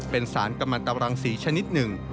เป็นสารกำลังตรังสีชนิดหนึ่ง